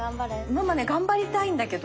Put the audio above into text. ママね頑張りたいんだけど。